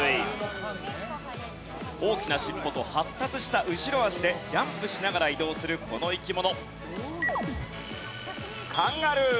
大きな尻尾と発達した後ろ脚でジャンプしながら移動するこの生き物。